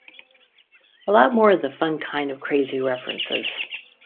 A lot more of the fun kind of crazy references.